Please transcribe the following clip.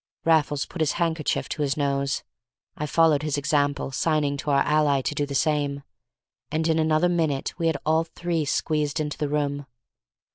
Raffles put his handkerchief to his nose. I followed his example, signing to our ally to do the same, and in another minute we had all three squeezed into the room.